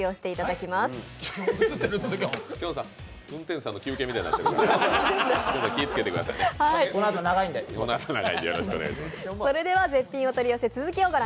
きょんさん、運転手さんの休憩みたいになってるから。